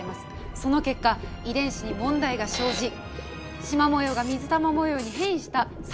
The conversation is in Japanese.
その結果遺伝子に問題が生じシマ模様が水玉模様に変異したサバンナシマウマさん。